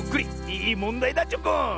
いいもんだいだチョコン！